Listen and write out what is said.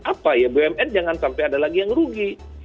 apa ya bumn jangan sampai ada lagi yang rugi